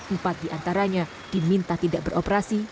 empat diantaranya diminta tidak beroperasi